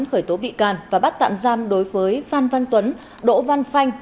khởi tố bị can và bắt tạm giam đối với phan văn tuấn đỗ văn phanh